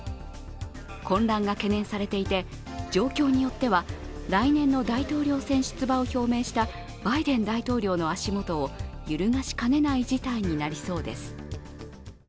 混乱が懸念されていて、状況によっては来年の大統領選出馬を表明したバイデン大統領の足元を揺るがしかねない事態になりそうです。